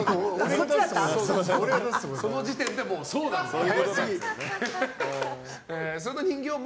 その時点でそうなんですよ。